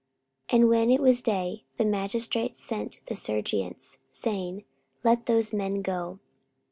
44:016:035 And when it was day, the magistrates sent the serjeants, saying, Let those men go.